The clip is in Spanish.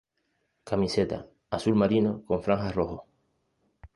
Camiseta:Azul marino con franjas rojos.